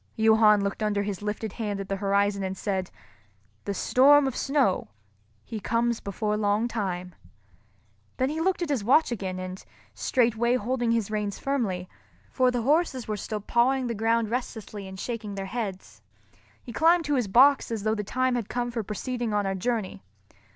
Johann looked under his lifted hand at the horizon and said, "The storm of snow, he comes before long time." Then he looked at his watch again, and, straightway holding his reins firmly—for the horses were still pawing the ground restlessly and shaking their heads—he climbed to his box as though the time had come for proceeding on our journey.